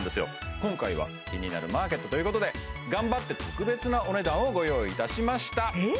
今回は「キニナルマーケット」ということで頑張って特別なお値段をご用意いたしましたえっ！？